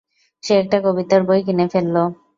সে একটা কবিতার বই কিনে ফেলল।